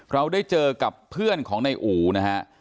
เราได้เจอกับเพื่อนของนายอู๋นะฮะ